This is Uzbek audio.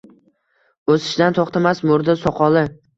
O’sishdan to’xtamas murda soqoli.